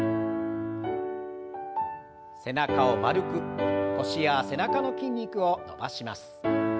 背中を丸く腰や背中の筋肉を伸ばします。